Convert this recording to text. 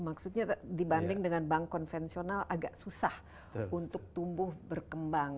maksudnya dibanding dengan bank konvensional agak susah untuk tumbuh berkembang